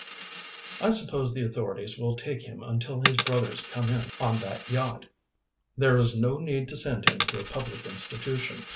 "I suppose the authorities will take him until his brothers come in on that yacht." "There is no need to send him to a public institution.